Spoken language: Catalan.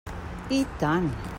I tant!